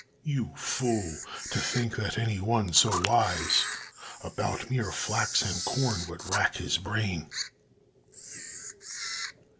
LUKE. You fool, to think that any one so wise About mere flax and corn would rack his brain.